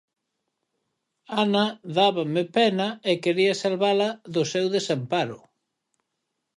Ana dábame pena e quería salvala do seu desamparo.